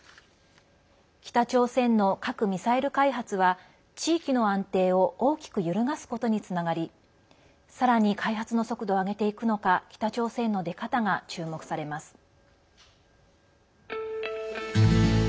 北朝鮮の核・ミサイル開発は地域の安定を大きく揺るがすことにつながりさらに開発の速度を上げていくのか北朝鮮の出方が注目されます。